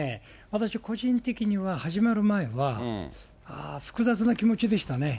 私、個人的には、始まる前は、複雑な気持ちでしたね。